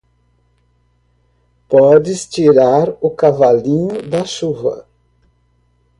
Podes tirar o cavalinho da chuva.